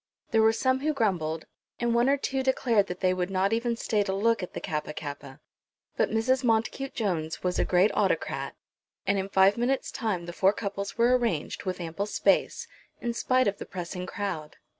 There were some who grumbled, and one or two declared that they would not even stay to look at the Kappa kappa. But Mrs. Montacute Jones was a great autocrat; and in five minutes' time the four couples were arranged, with ample space, in spite of the pressing crowd.